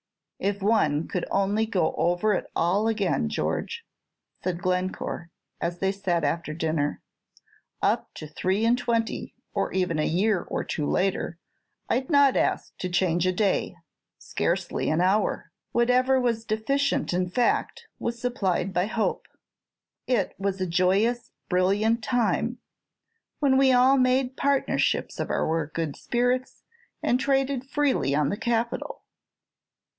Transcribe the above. "If one could only go over it all again, George," said Glencore, as they sat after dinner, "up to three and twenty, or even a year or two later, I 'd not ask to change a day, scarcely an hour. Whatever was deficient in fact, was supplied by hope. It was a joyous, brilliant time, when we all made partnership of our good spirits, and traded freely on the capital.